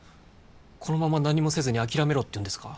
このまま何もせずに諦めろっていうんですか？